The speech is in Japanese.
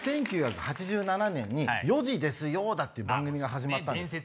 １９８７年に『４時ですよだ』っていう番組が始まったんですよ。